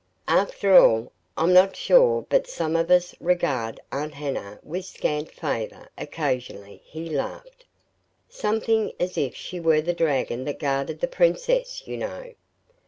"After all, I'm not sure but some of us regard 'Aunt Hannah' with scant favor, occasionally," he laughed; "something as if she were the dragon that guarded the princess, you know.